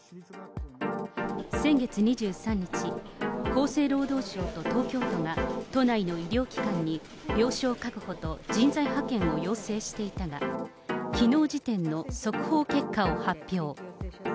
先月２３日、厚生労働省と東京都が、都内の医療機関に病床確保と人材派遣を要請していたが、きのう時点の速報結果を発表。